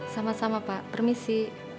sama sama pak permisi